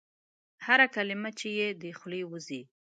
هره کلمه چي یې د خولې وزي ؟